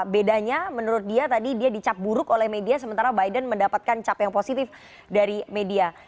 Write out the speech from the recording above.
bedanya menurut dia tadi dia dicap buruk oleh media sementara biden mendapatkan cap yang positif dari media